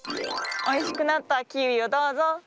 おいしくなったキウイをどうぞ。